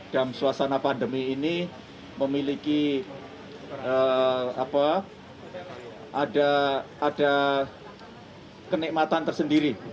dalam suasana pandemi ini memiliki kenikmatan tersendiri